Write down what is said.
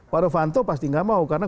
pak dovanto pasti tidak mau karena